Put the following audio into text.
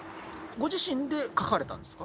ご自身で描かれたんですか？